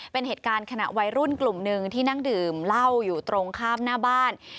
เป็นเหตุการณ์ขณะวัยรุ่นกลุ่มหนึ่งที่นั่งดื่มเหล้าอยู่ตรงข้ามหน้าบ้าน